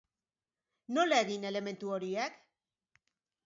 Nola egin elementu horiek?